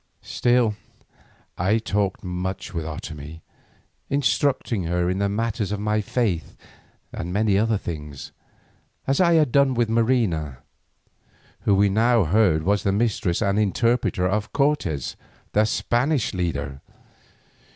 Still I talked much with Otomie, instructing her in the matters of my faith and many other things, as I had done by Marina, who we now heard was the mistress and interpreter of Cortes, the Spanish leader.